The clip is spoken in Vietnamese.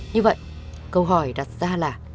như vậy câu hỏi đặt ra là